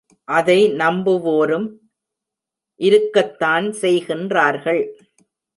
அதை நம்புவோரும் இருக்கத்தான் செய்கின்றார்கள்.